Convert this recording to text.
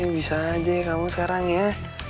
bisa aja ya kamu sekarang ya